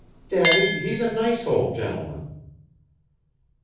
"Daddy! he's a nice old gentleman!"